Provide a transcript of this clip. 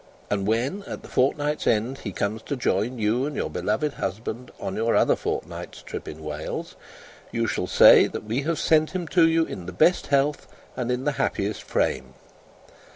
And when, at the fortnight's end, he comes to join you and your beloved husband, on your other fortnight's trip in Wales, you shall say that we have sent him to you in the best health and in the happiest frame.